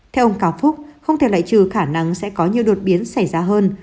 theo ông cào phúc không thể lại trừ khả năng sẽ có nhiều đột biến xảy ra hơn